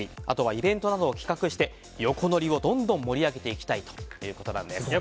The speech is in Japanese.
あとはイベントなどを企画して横のりを、どんどん盛り上げていきたいということなんです。